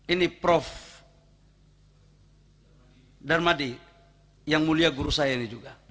ini prof darmadi yang mulia guru saya ini juga